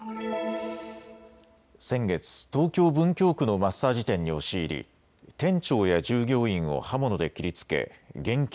先月、東京文京区のマッサージ店に押し入り店長や従業員を刃物で切りつけ現金